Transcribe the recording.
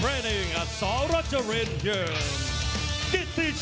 เมื่อการ์ดสิงไทย